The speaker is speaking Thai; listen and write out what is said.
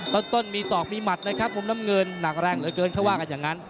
ต้นมีศอกมีหมัดนะครับมุมน้ำเงินหนักแรงเหลือเกินเขาว่ากันอย่างนั้น